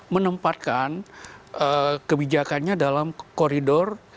menempatkan kebijakannya dalam koridor